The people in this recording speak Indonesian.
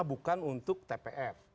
itu bukan untuk tpn